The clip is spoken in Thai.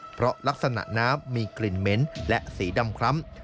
เพราะลักษณะน้ำมีกลิ่นเหม็นและสีดำคล้ำ